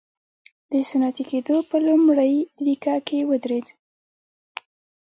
د صنعتي کېدو په لومړۍ لیکه کې ودرېد.